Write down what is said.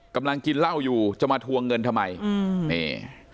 กำลังกินเหล้าอยู่จะมาทวงเงินทำไมอืมนี่